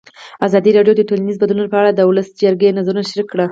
ازادي راډیو د ټولنیز بدلون په اړه د ولسي جرګې نظرونه شریک کړي.